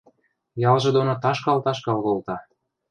Ялжы доно ташкал-ташкал колта: